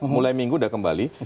mulai minggu sudah kembali